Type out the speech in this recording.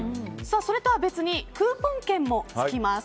それとは別にクーポン券もつきます。